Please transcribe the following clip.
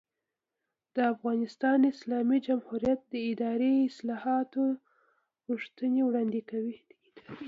د افغانستان اسلامي جمهوریت د اداري اصلاحاتو پوښتنې وړاندې کوي.